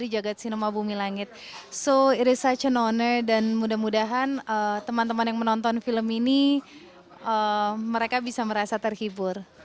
jadi ini sangat mengucapkan penghargaan dan semoga teman teman yang menonton film ini mereka bisa merasa terhibur